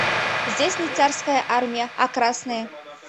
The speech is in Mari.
— Здесь не царская армия, а красная.